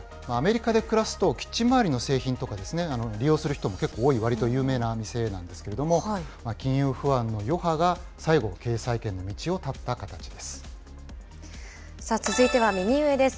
アメリカで暮らすとキッチン回りの製品とか利用する人も結構多いわりと有名な店なんですけれども、金融不安の余波が最後、経さあ続いては右上です。